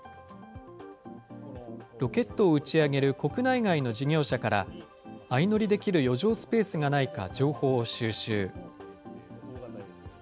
ロケットを打ち上げる国内外の事業者から、相乗りできる余剰スペースがないか情報を収集。